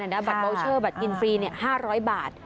บัตรเมาเชอร์บัตรกินฟรี๕๐๐บาท